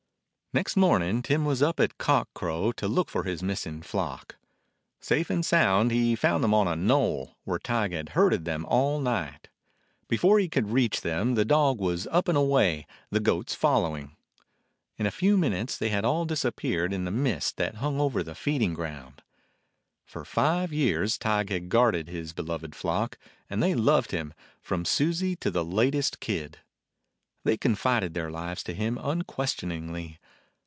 Next morning Tim was up at cock crow to 17 DOG HEROES OF MANY LANDS look for his missing flock. Safe and sound he found them on a knoll, where Tige had herded them all night. Before he could reach them the dog was up and away, the goats fol lowing. In a few minutes they had all dis appeared in the mist that hung over the feed ing ground. For five years Tige had guarded his be loved flock, and they loved him, from Susie to the latest kid. They confided their lives to him unquestioningly.